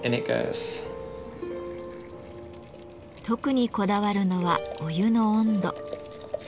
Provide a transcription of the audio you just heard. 特にこだわるのはお湯の温度。